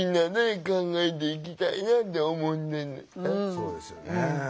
そうですよね。